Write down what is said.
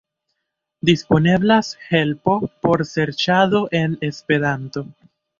Disponeblas helpo por serĉado en Esperanto.